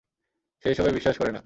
সে এসবে বিশ্বাস করে না।